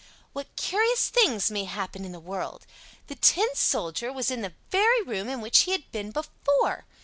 What curious things may happen in the world! The Tin Soldier was in the very room in which he had been before!